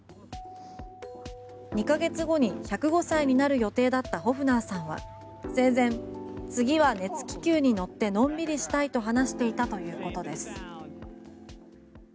２か月後に１０５歳になる予定だったホフナーさんは生前次は熱気球に乗ってのんびりしたいと話していたということです。